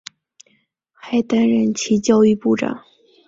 还担任其教育部长。